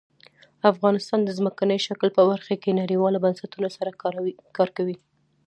افغانستان د ځمکنی شکل په برخه کې نړیوالو بنسټونو سره کار کوي.